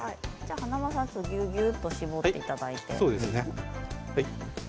華丸さんもぎゅうぎゅうと絞っていただいて。